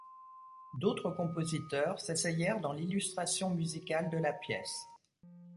D'autres compositeurs s'essayèrent dans l'illustration musicale de la pièce.